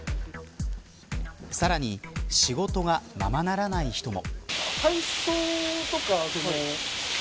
さらに仕事がままならない人も。